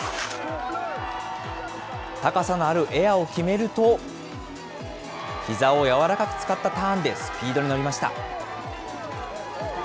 高さのあるエアを決めると、ひざを柔らかく使ったターンでスピードに乗りました。